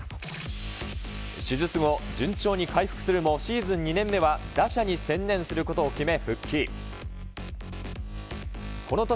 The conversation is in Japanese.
手術後、順調に回復するも、シーズン２年目は打者に専念することを決め、復帰。